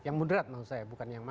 yang mudrat maksud saya